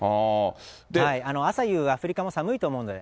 朝夕、アフリカも寒いと思うので。